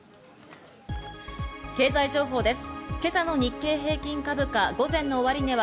経済情報です。